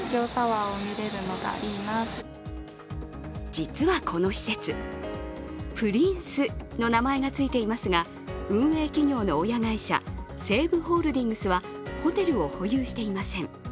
実はこの施設、プリンスの名前がついていますが、運営企業の親会社、西武ホールディングスはホテルを保有していません。